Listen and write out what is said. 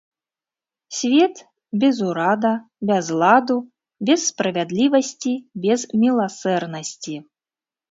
Свет без ўрада, без ладу, без справядлівасці, без міласэрнасці.